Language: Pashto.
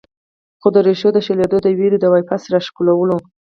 خو د ريښو د شلېدو د وېرې د واپس راښکلو